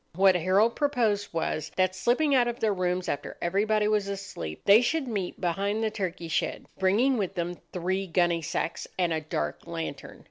What Harold proposed was, that, slipping out of their rooms after everybody was asleep, they should meet behind the turkey shed, bringing with them three gunny sacks and a dark lantern.